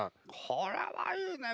これはいいね。